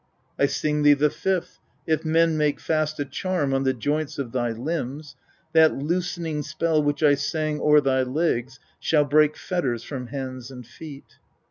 10. I sing thee the fifth : if men maKe fast a charm on the joints of thy limbs, that loosening spell which I sin^ o'er thy legs shall break fetters from hands and feet.